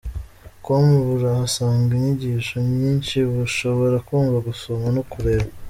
com Murahasanga inyigisho nyinshi mushobora kumva, gusoma no kureba.